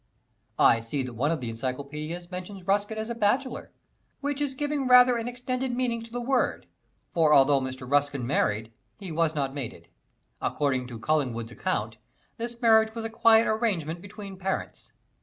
I see that one of the encyclopedias mentions Ruskin as a bachelor, which is giving rather an extended meaning to the word, for although Mr. Ruskin married, he was not mated. According to Collingwood's account, this marriage was a quiet arrangement between parents.